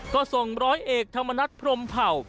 ก็ส่งร้อยเอกธรรมนัฐพรมเผ่า